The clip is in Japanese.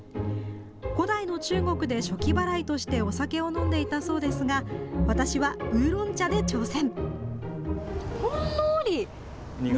古代の中国で暑気払いとしてお酒を飲んでいたそうですが私はウーロン茶で挑戦。